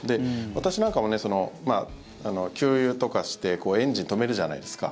私なんかも給油とかしてエンジン止めるじゃないですか。